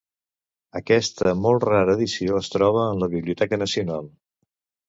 Aquesta molt rara edició, es troba en la Biblioteca nacional.